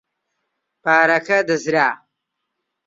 پارەکە دزرا.